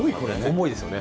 重いですよね。